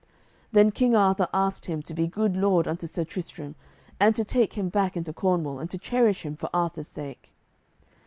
Then King Arthur asked him to be good lord unto Sir Tristram, and to take him back into Cornwall, and to cherish him for Arthur's sake.